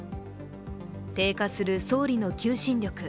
低下する総理の求心力。